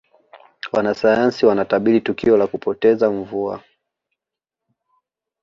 wanasayansi wanatabiri tukio la kupoteza mvua